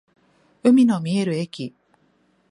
海の見える駅